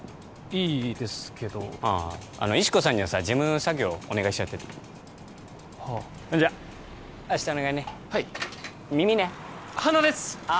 いいですけど石子さんにはさ事務作業をお願いしちゃっててはあそれじゃあ明日お願いねはい耳ね鼻ですああ